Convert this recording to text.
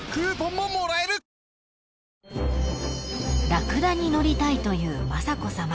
［ラクダに乗りたいという雅子さま